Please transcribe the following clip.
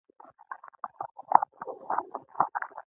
ازادي راډیو د طبیعي پېښې په اړه د اصلاحاتو غوښتنې راپور کړې.